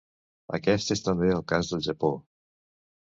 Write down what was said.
Aquest és també el cas del Japó.